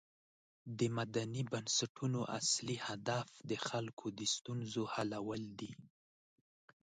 د مدني بنسټونو اصلی هدف د خلکو د ستونزو حلول دي.